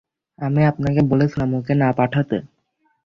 আমি আপনাকে বলেছিলাম ওকে না পাঠাতে।